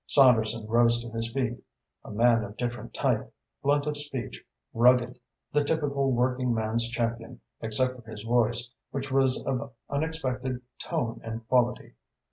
Saunderson rose to his feet, a man of different type, blunt of speech, rugged, the typical working man's champion except for his voice, which was of unexpected tone and quality.